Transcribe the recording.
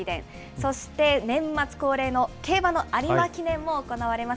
そして年末恒例の競馬の有馬記念も行われます。